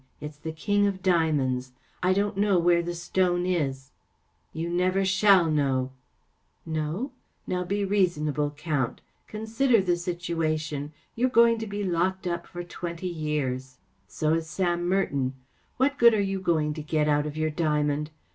It's the King of Diamonds. I don't know where the stone is.‚ÄĚ " Yo ‚ÄĚ “TO Wl’fT ’ilCHIGAd 295 A. Conan Doyle " No ? Now, be reasonable. Count. Con¬ sider the situation. You are going to be locked up for twenty years. So is Sam Merton. What good are you going to get out of your diamond